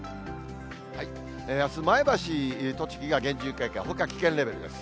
あす、前橋、栃木が厳重警戒、ほか危険レベルです。